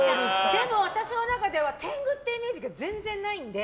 でも、私の中では天狗ってイメージが全然ないんで。